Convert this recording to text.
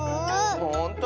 ほんとう？